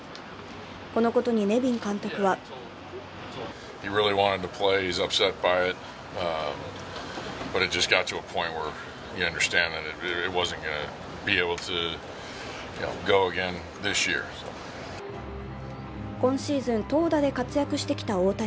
このことにネビン監督は今シーズン、投打で活躍してきた大谷。